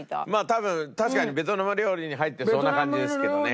多分確かにベトナム料理に入ってそうな感じですけどね。